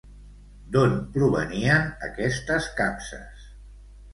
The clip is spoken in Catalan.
D'on provenien aquestes capses?